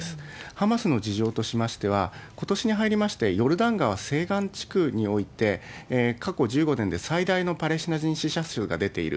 ハマスの事情としましては、ことしに入りまして、ヨルダン川西岸地区において、過去１５年で最大のパレスチナ人死者数が出ている。